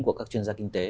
của các chuyên gia kinh tế